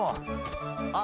あっ！